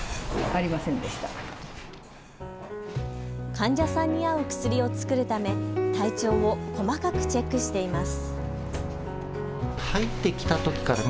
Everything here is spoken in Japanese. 患者さんに合う薬を作るため体調を細かくチェックしています。